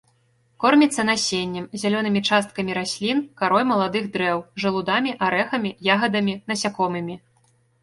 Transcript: Корміцца насеннем, зялёнымі часткамі раслін, карой маладых дрэў, жалудамі, арэхамі, ягадамі, насякомымі.